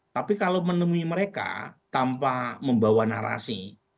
tapi kalau menemui mereka tanpa membawa narasi